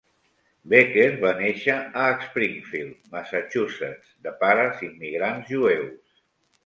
Becker va néixer a Springfield, Massachusetts, de pares immigrants jueus.